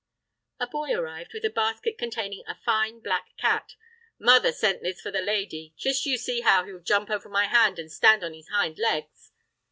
A boy arrived with a basket containing a fine black cat. "Mother's sent this for the lady. Just you see how he'll jump over my hand and stand on his hind legs!"